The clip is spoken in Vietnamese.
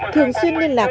thường xuyên liên lạc